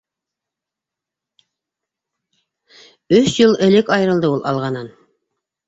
Өс йыл элек айырылды ул «Алға»нан.